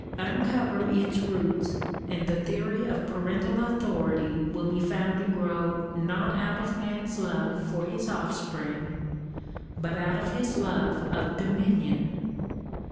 Uncover its roots, and the theory of parental au thority will be found to grow not out of man's love for his offspring but out of his love of dominion.